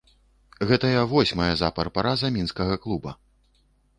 Гэтая восьмая запар параза мінскага клуба.